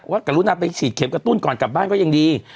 กรุณาไปฉีดเข็มกระตุ้นก่อนกลับบ้านก็ยังดี